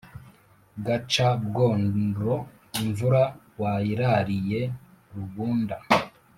gaca-bworo, imvura wayirariye rubunda,